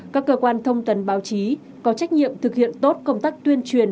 các cơ quan thông tần báo chí có trách nhiệm thực hiện tốt công tác tuyên truyền